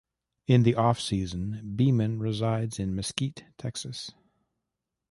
In the off-season, Beamon resides in Mesquite, Texas.